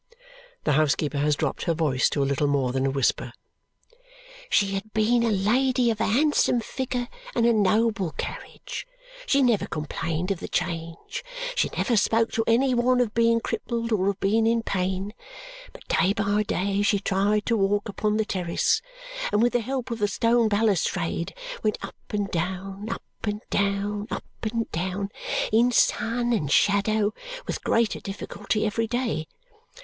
The housekeeper has dropped her voice to a little more than a whisper. "She had been a lady of a handsome figure and a noble carriage. She never complained of the change; she never spoke to any one of being crippled or of being in pain, but day by day she tried to walk upon the terrace, and with the help of the stone balustrade, went up and down, up and down, up and down, in sun and shadow, with greater difficulty every day.